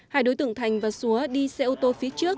hai đối tượng thành và xúa đi xe ô tô phía trước